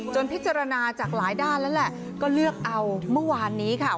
พิจารณาจากหลายด้านแล้วแหละก็เลือกเอาเมื่อวานนี้ค่ะ